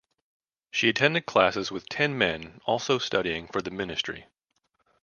She attended classes with ten men also studying for the ministry.